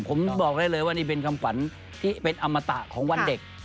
ผมบอกได้เลยว่านี่เป็นคำฝันที่เป็นอมตะของวันเด็ก